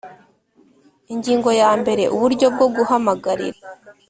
Ingingo ya mbere Uburyo bwo guhamagarira